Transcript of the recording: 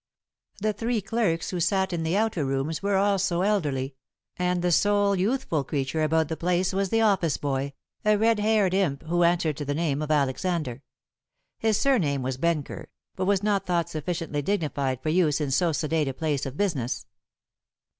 The three clerks who sat in the outer rooms were also elderly, and the sole youthful creature about the place was the office boy, a red haired imp who answered to the name of Alexander. His surname was Benker, but was not thought sufficiently dignified for use in so sedate a place of business.